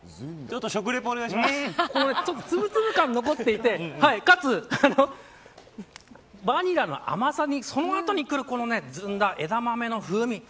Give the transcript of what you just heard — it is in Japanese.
つぶつぶ感が残っていて、かつバニラの甘さにその後にくるずんだ、枝豆の風味。